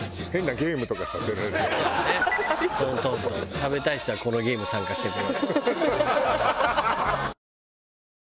「食べたい人はこのゲーム参加してください」。